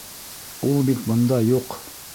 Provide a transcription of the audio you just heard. Ул бит бында юҡ!